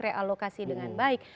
realokasi dengan baik